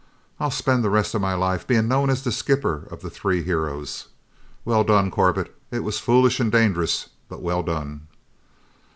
"I'll spend the rest of my life being known as the skipper of the three heroes! Well done, Corbett, it was foolish and dangerous, but well done!"